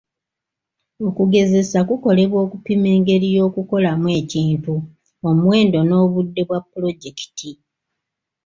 Okugezesa kukolebwa okupima engeri y'okukolamu ekintu, omuwendo n'obudde bwa pulojekiti.